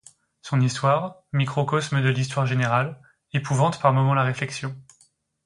Son histoire, microcosme de l'histoire générale, épouvante par moments la réflexion.